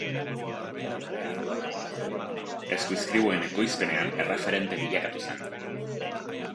Era berean, monasterioa eskuizkribuen ekoizpenean erreferente bilakatu zen.